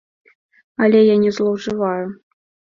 Але я не злоўжываю.